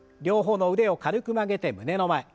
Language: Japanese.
両方の腕を軽く曲げて胸の前。